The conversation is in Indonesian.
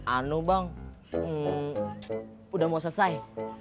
anu bang udah mau selesai